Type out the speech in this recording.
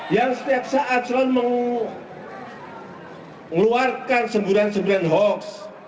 yang setiap saat selalu mengeluarkan semburan semburan hoax